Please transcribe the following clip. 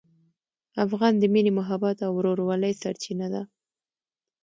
افغان د مینې، محبت او ورورولۍ سرچینه ده.